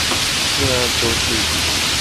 Fia ajogbe.